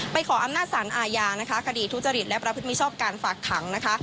ขออำนาจสารอาญานะคะคดีทุจริตและประพฤติมิชอบการฝากขังนะคะ